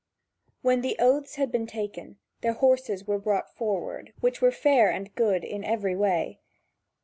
When the oaths had been taken, their horses were brought forward, which were fair and good in every way.